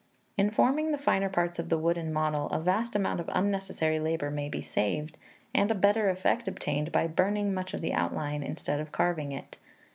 In forming the finer parts of the wooden model, a vast amount of unnecessary labour may be saved, and a better effect obtained, by burning much of the outline, instead of carving it.